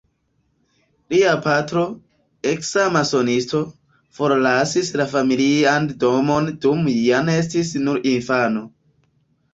Lia patro, eksa masonisto, forlasis la familian domon dum Jan estis nur infano.